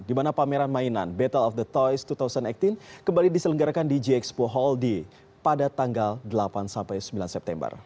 di mana pameran mainan battle of the toys dua ribu delapan belas kembali diselenggarakan di gxpo hall d pada tanggal delapan sembilan september